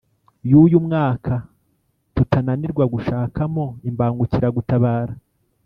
y’uyu mwaka tutananirwa gushakamo imbangukiragutabara